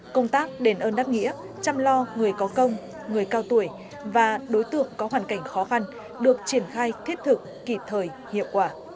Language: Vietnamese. công tác đền ơn đáp nghĩa chăm lo người có công người cao tuổi và đối tượng có hoàn cảnh khó khăn được triển khai thiết thực kịp thời hiệu quả